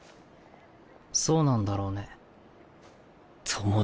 そうなんだろうね。